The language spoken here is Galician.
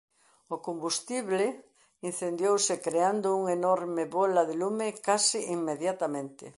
O combustible incendiouse creando unha enorme bola de lume case inmediatamente.